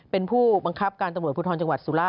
เป็นผู้บังคับการตำรวจภูทรจังหวัดสุราช